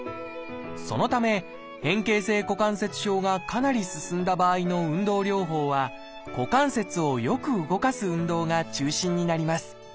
そのため変形性股関節症がかなり進んだ場合の運動療法は股関節をよく動かす運動が中心になります。